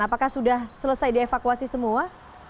apakah sudah selesai dievakuasi semua